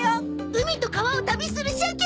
海と川を旅するシャケ！